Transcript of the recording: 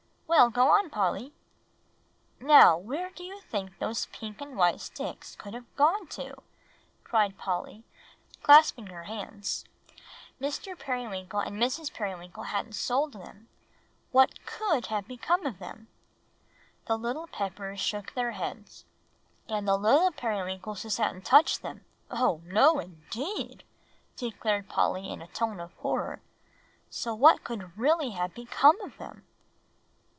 "Well, go on, Polly." "Now, where do you suppose those pink and white sticks could have gone to?" cried Polly, clasping her hands. "Mr. Periwinkle and Mrs. Periwinkle hadn't sold them what could have become of them?" The little Peppers shook their heads. "And the little Periwinkleses hadn't touched them oh, no indeed!" declared Polly in a tone of horror "so what could really have become of them?"